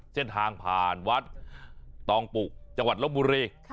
เส้นทางผ่านวัดตองปุจังหวัดลบบุรี